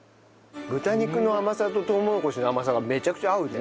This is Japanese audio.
豚肉の甘さととうもろこしの甘さがめちゃくちゃ合うね。